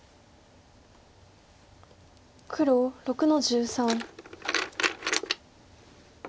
黒６の十三。